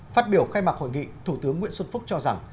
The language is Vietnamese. phát biểu khai mạc hội nghị thủ tướng nguyễn xuân phúc cho rằng